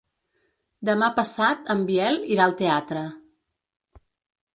Demà passat en Biel irà al teatre.